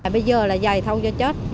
bây giờ là dày thâu cho chết